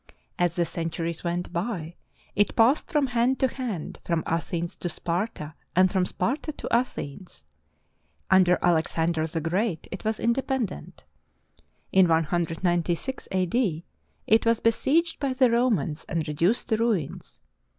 As the centuries went by, it passed from hand to hand, from Athens to Sparta, and from Sparta to Athens. Under Alex ander the Great, it was independent. In 196 a.d., it was be sieged by the Romans and reduced to ruins.